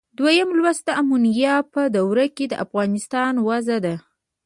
دویم لوست د امویانو په دوره کې د افغانستان وضع ده.